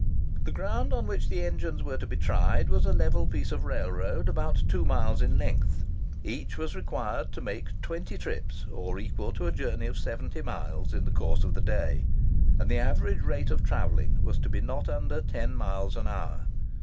The ground on which the engines were to be tried was a level piece of railroad, about two miles in length. Each was required to make twenty trips, or equal to a journey of 70 miles, in the course of the day; and the average rate of travelling was to be not under 10 miles an hour.